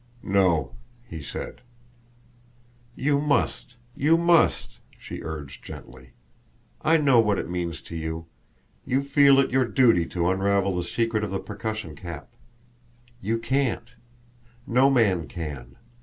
"No," he said. "You must you must," she urged gently. "I know what it means to you. You feel it your duty to unravel the secret of the percussion cap? You can't; no man can.